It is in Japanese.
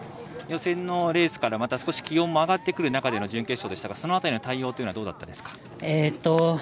予選レースから、また少し気温も上がってくる中での準決勝でしたがその辺りの対応はどうでしたか？